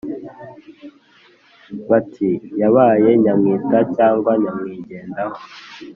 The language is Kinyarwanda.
Bati: "Yabaye nyawita cyangwa nyamwigendaho